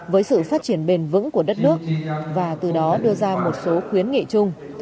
với sự phát triển bền vững của đất nước và từ đó đưa ra một số khuyến nghị chung